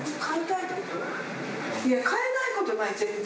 いや、飼えないことない、絶対。